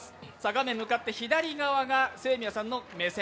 画面向かって左側が清宮さんの目線。